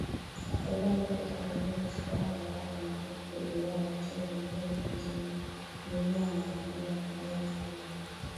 Takribani watu themanini na saba wameuawa na mamia kujeruhiwa wakati wa zaidi ya miezi minne ya maandamano ya kudai utawala wa kiraia